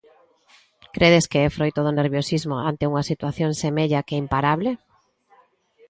Credes que é froito do nerviosismo ante unha situación semella que imparable?